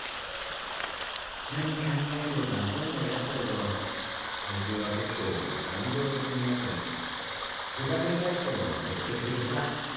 なに考えてるか分かんない奴だけど最近はけっこう感情的になったり部活に対しても積極的でさ。